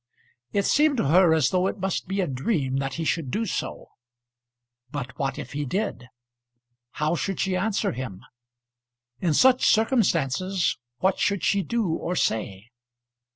It seemed to her as though it must be a dream that he should do so; but what if he did? How should she answer him? In such circumstances what should she do or say?